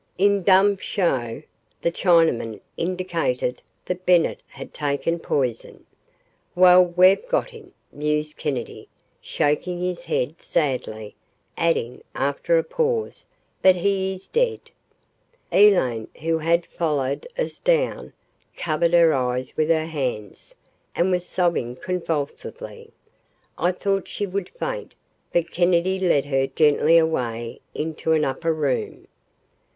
In dumb show, the Chinaman indicated that Bennett had taken poison. "Well, we've got him," mused Kennedy, shaking his head sadly, adding, after a pause, "but he is dead." Elaine, who had followed us down, covered her eyes with her hands, and was sobbing convulsively. I thought she would faint, but Kennedy led her gently away into an upper room.